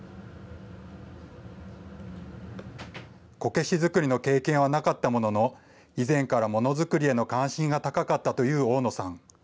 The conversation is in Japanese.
こけし作りの経験はなかったものの、以前からもの作りへの関心が高かったという大野さん。